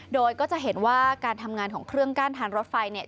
โดยก็จะเห็นว่าการทำงานของเครื่องกั้นทางรถไฟเนี่ย